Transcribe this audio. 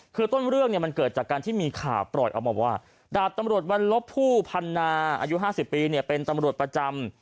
คือต้นเรื่องเนี่ยมันเกิดจากการที่มีข่าวปล่อยออกมาว่าดาบตำรวจวันลบผู้พันนาอายุ๕๐ปีเนี่ยเป็นตำรวจประจำ